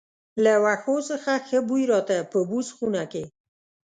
له وښو څخه ښه بوی راته، په بوس خونه کې.